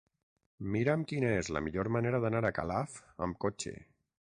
Mira'm quina és la millor manera d'anar a Calaf amb cotxe.